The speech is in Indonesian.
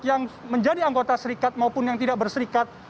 yang menjadi anggota serikat maupun yang tidak berserikat